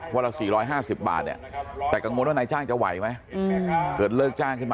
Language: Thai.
วันละ๔๕๐บาทเนี่ย